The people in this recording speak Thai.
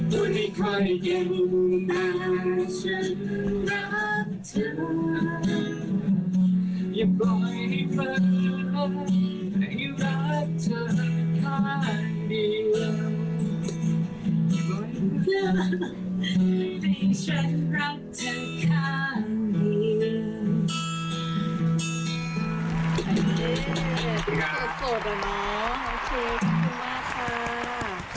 พูดไม่ค่อยเย็นแต่ฉันรักเธอ